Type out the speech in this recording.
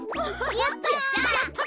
やったぜ。